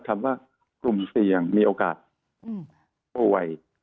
กลุ่มเสี่ยงมีโอกาสโอไหว